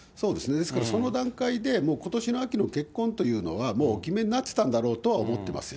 ですからその段階で、もうことしの秋の結婚というのは、もうお決めになっていたんだろうと思いますよ。